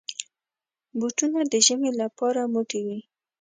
بوټونه د ژمي لپاره موټي وي.